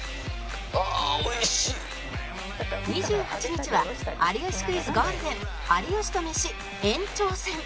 ２８日は『有吉クイズ』ゴールデン有吉とメシ延長戦ん！